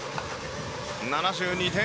７２点。